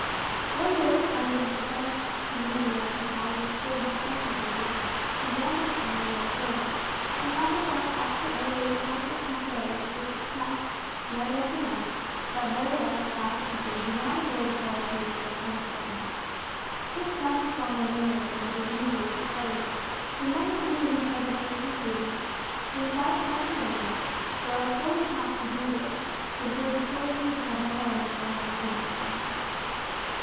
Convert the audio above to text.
One day, finding that the bench she usually occupied was filled with country people, she wandered on a little further, and found herself opposite one of those Concert Cafds, which attract, night after night, that very large class of people who do not enjoy the solitude of their own apartments. This class is far more numerous than is usually sup posed, for among the people who tread the Parisian pavements, from five o'clock to midnight, there are fully half who do this to avoid the solitude of a home where nothing pleases them.